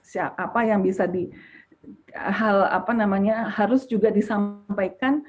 siapa yang bisa di hal apa namanya harus juga disampaikan